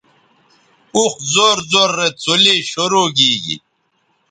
اوخ زور زور رے څلے شروع گی